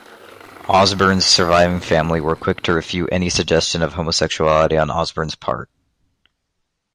Osborne's surviving family were quick to refute any suggestion of homosexuality on Osborne's part.